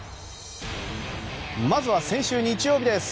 まずは、先週日曜日です。